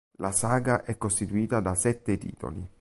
La saga è costituita da sette titoli.